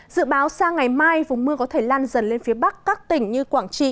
dự báo sang ngày mai vùng mưa có thể lan dần lên phía bắc các tỉnh như quảng trị